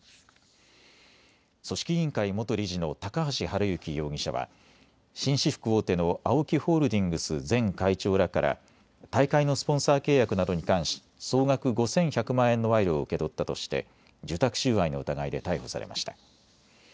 組織委員会元理事の高橋治之容疑者は紳士服大手のＡＯＫＩホールディングス前会長らから大会のスポンサー契約などに関し総額５１００万円の賄賂を受け取ったとして受託収賄の疑いで逮捕されました。